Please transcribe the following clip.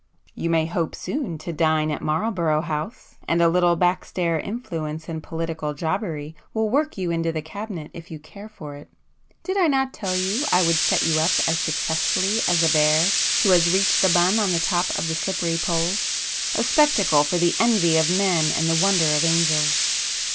You may hope soon to dine at Marlborough House,—and a little back stair influence and political jobbery will work you into the Cabinet if you care for it. Did I not tell you I would set you up as successfully as the bear who has reached the bun on the top of the slippery pole, a spectacle for the envy of men and the wonder of angels?